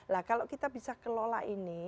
nah kalau kita bisa kelola ini